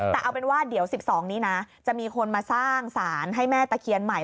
แต่เอาเป็นว่าเดี๋ยว๑๒นี้นะจะมีคนมาสร้างสารให้แม่ตะเคียนใหม่